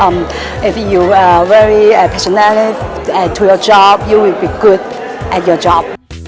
karena jika anda sangat berkesan untuk pekerjaan anda anda akan baik di pekerjaan anda